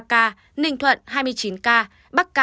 các địa phương ghiền thông báo